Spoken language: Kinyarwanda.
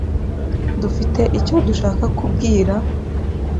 Dufite icyo dushaka kubwira